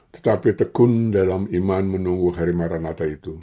tetapi tekun dalam iman menunggu hari maranatha itu